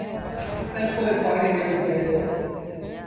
ائيٚݩ پو پآڻيٚ ڏيڻون پئي دو۔